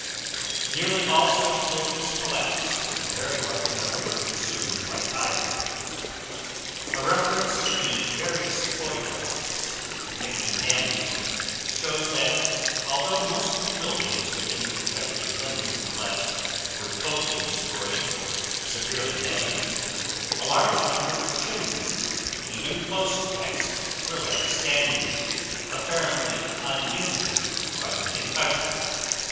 Nearly all such buildings collapsed and a very large number were consumed by fire. A reference to the various photographs depicting damage shows that although most of the buildings within the effective limits of the blast were totally destroyed or severely damaged, a large number of chimneys even close to X were left standing, apparently uninjured by the concussion.